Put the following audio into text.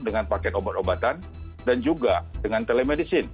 dengan paket obat obatan dan juga dengan telemedicine